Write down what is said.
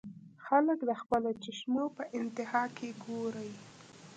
خلک د خپلو چشمو پۀ انتها کښې ګوري -